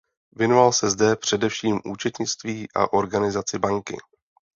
Věnoval se zde především účetnictví a organizaci banky.